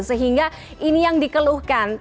sehingga ini yang dikeluhkan